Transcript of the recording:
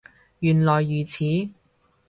原來如此